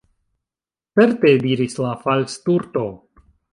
"Certe," diris la Falsturto.